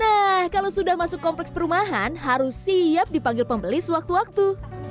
nah kalau sudah masuk kompleks perumahan harus siap dipanggil pembeli sewaktu waktu